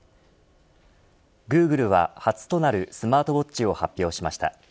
グーグルは初となるスマートウォッチを発表しました。